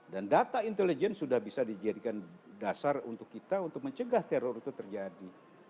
dan data intelijen sudah bisa dijadikan dasar untuk kita untuk mencegah teror itu terjadi